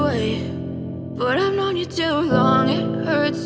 abah abah abah